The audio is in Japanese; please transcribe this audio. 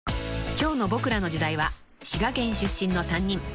［今日の『ボクらの時代』は滋賀県出身の３人］